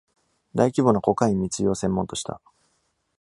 大規模なコカイン密輸を専門とした。